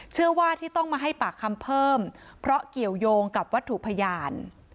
เชื่อว่าที่ต้องมาให้ปากคำเพิ่มเพราะเกี่ยวยงกับวัตถุพยาน